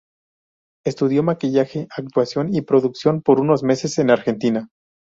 Estudió maquillaje, actuación y producción por unos meses en Argentina.